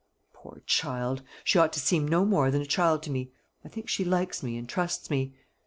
Poor child! She ought to seem no more than a child to me. I think she likes me, and trusts me.